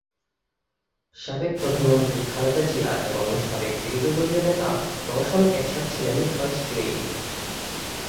সাবেক প্রধানমন্ত্রী খালেদা জিয়া এবং সাবেক বিরোধীদলীয় নেতা রওশন এরশাদ ছিলেন ফার্স্ট লেডি।